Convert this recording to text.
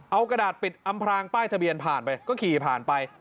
เอากระดาษปิดอำพลางป้ายทะเบียนผ่านไปก็ขี่ผ่านไป